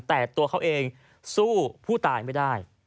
แต่ตัวเขาเองสู้ผู้ตายไม่ได้